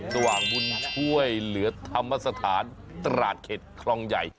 สว่างบุญช่วยเหลือธรรมสถานตราดเข็ดคลองใหญ่